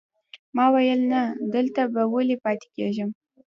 ما ویل نه، دلته به ولې پاتې کېږم.